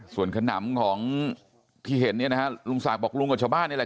ส่วนขนำของที่เห็นเนี่ยนะฮะลุงศักดิ์บอกลุงกับชาวบ้านนี่แหละ